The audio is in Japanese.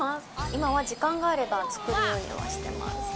今は時間があれば作るようにはしてます。